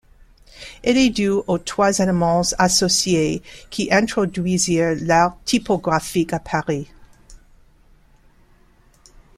Elle est due aux trois Allemands associés qui introduisirent l'art typographique à Paris.